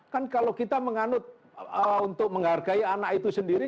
kan kalau kita menganut untuk menghargai anak itu sendiri